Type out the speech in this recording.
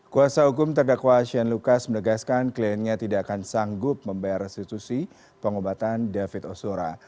kuasa hukum terdakwa shane lucas menegaskan kliennya tidak akan sanggup membayar restitusi pengobatan david ozora